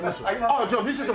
ああじゃあ見せて。